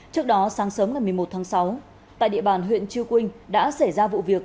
trước đó sáng sớm ngày một mươi một tháng sáu tại địa bàn huyện chư quynh đã xảy ra vụ việc